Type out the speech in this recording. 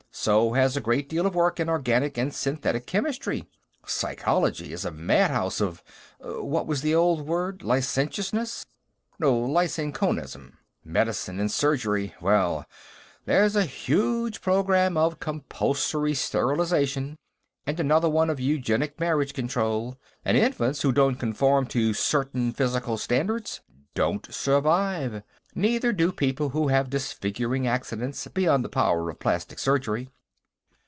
So has a great deal of work in organic and synthetic chemistry. Psychology is a madhouse of ... what was the old word, licentiousness? No, lysenkoism. Medicine and surgery well, there's a huge program of compulsory sterilization, and another one of eugenic marriage control. And infants who don't conform to certain physical standards don't survive. Neither do people who have disfiguring accidents beyond the power of plastic surgery."